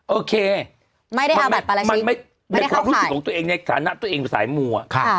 โอเคมันไม่ความรู้สึกของตัวเองในสถานะตัวเองสายมัว